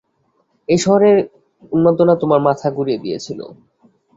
আর এই শহরের উন্মাদনা, তোমার মাথা ঘুরিয়ে দিয়েছিল।